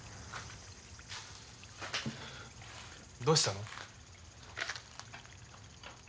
どうしたの？